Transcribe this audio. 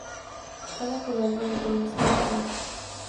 Cada jugador debe tener su bastón.